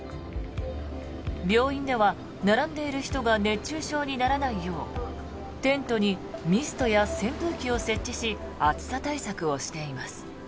病院では、並んでいる人が熱中症にならないようテントにミストや扇風機を設置し暑さ対策をしています。